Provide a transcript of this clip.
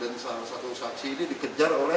dan salah satu saksi ini dikejar oleh